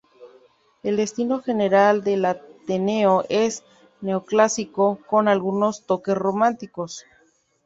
El estilo general del Ateneo es neoclásico, con algunos toques románticos.